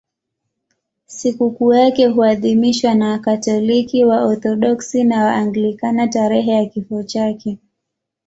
Sikukuu yake huadhimishwa na Wakatoliki, Waorthodoksi na Waanglikana tarehe ya kifo chake.